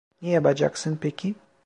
Ne yapacaksın peki?